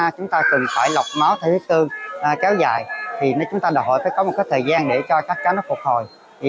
cháu dài chúng ta đòi hỏi có một thời gian để cho các cháu phục hồi